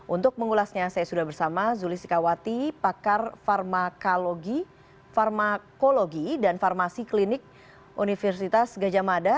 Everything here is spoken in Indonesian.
untuk mengulasnya saya sudah bersama zuli sikawati pakar farmakologi farmakologi dan farmasi klinik universitas gajah mada